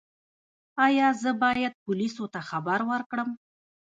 ایا زه باید پولیسو ته خبر ورکړم؟